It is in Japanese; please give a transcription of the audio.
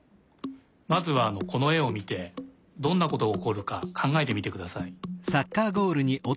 まずはこのえをみてどんなことがおこるかかんがえてみてください。